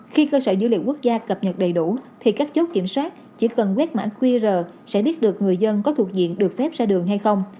khi cơ sở dữ liệu quốc gia cập nhật đầy đủ thì các chốt kiểm soát chỉ cần quét mã qr sẽ biết được người dân có thuộc diện được phép ra đường hay không